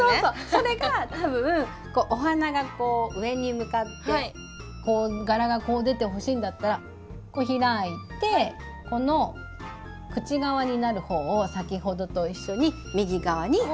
それが多分お花がこう上に向かって柄がこう出てほしいんだったら開いてこの口側になる方を先ほどと一緒に右側に置く。